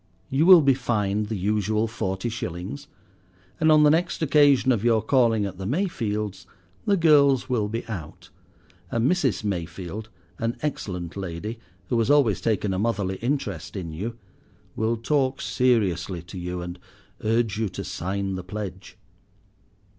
You will be fined the usual forty shillings; and on the next occasion of your calling at the Mayfields' the girls will be out, and Mrs. Mayfield, an excellent lady, who has always taken a motherly interest in you, will talk seriously to you and urge you to sign the pledge.